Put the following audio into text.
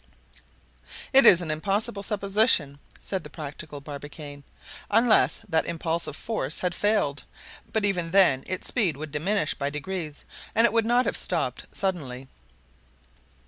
"It is an impossible supposition," said the practical Barbicane; "unless that impulsive force had failed; but even then its speed would diminish by degrees, and it would not have stopped suddenly."